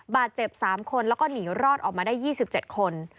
บาดเจ็บ๓คนแล้วก็หนีรอดออกมาได้๒๗คน